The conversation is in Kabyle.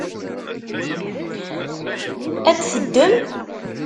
Ad t-teddem?